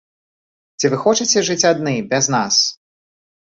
Ці вы хочаце жыць адны, без нас?